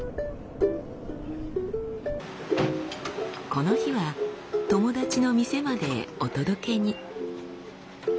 この日は友達の店までお届けに。